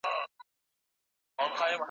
توبې مي تېره شپه کي